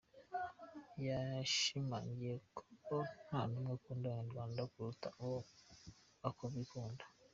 Yashimangiye ko nta n’umwe ukunda Abanyarwanda kuruta uko bo bikunda.